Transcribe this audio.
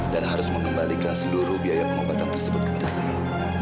dan harus mengembalikan seluruh biaya pengobatan tersebut kepada saya